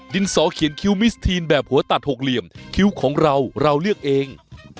สอเขียนคิวมิสทีนแบบหัวตัดหกเหลี่ยมคิ้วของเราเราเลือกเอง